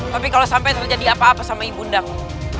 tapi kalau sampai terjadi apa apa sama ibu bundamu